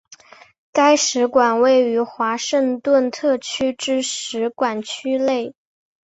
该使馆位于华盛顿特区之使馆区内。